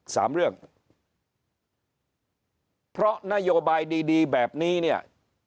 สามเรื่องเพราะนโยบายดีดีแบบนี้เนี่ย